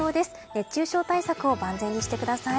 熱中症対策を万全にしてください。